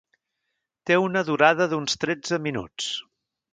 Té una durada d'uns tretze minuts.